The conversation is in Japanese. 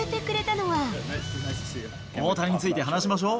大谷について話しましょう。